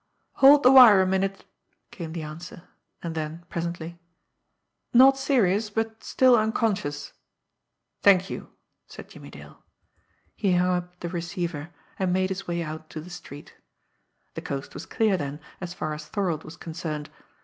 "Hold the wire a minute," came the answer; and then, presently: "Not serious; but still unconscious." "Thank you," said Jimmie Dale. He hung up the receiver, and made his way out to the street. The coast was clear then, as far as Thorold was concerned.